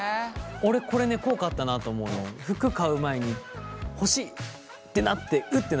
俺これね効果あったなと思うの服買う前に欲しいってなってウッてなるじゃん。